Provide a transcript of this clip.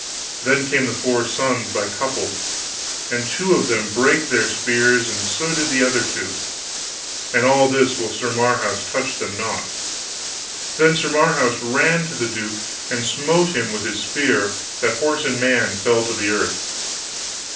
Then came the four sons by couples, and two of them brake their spears, and so did the other two. And all this while Sir Marhaus touched them not. Then Sir Marhaus ran to the duke, and smote him with his spear that horse and man fell to the earth.